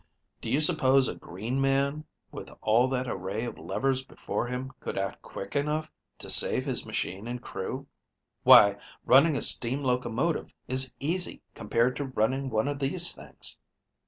Do you suppose a green man, with all that array of levers before him, could act quick enough to save his machine and crew? Why, running a steam locomotive is easy compared to running one of these things.